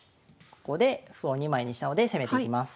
ここで歩を２枚にしたので攻めていきます。